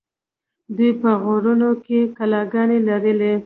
دوی په غرونو کې کلاګانې لرلې